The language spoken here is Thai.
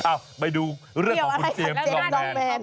อ้าวไปดูเรื่องของคุณเจมส์ลองแมน